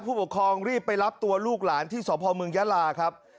ผู้ปกครองรีบไปรับตัวลูกหลานที่สพเมืองยาลาครับ